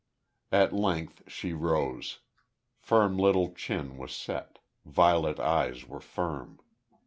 At length she rose. Firm little chin was set; violet eyes were firm.